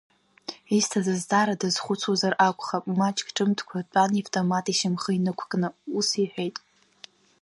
Исҭаз азҵаара дазхәыцуазар акәхап, маҷк ҿымҭкәа дтәан иавтомат ишьамхы инықәкны, ус иҳәеит…